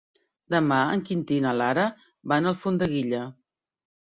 Demà en Quintí i na Lara van a Alfondeguilla.